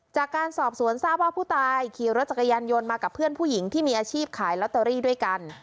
จากการสอบสวนทราบว่าผู้ตายขี่รถจักรยานยนต์มากับเพื่อนผู้หญิงที่มีอาชีพขายลอตเตอรี่ด้วยกัน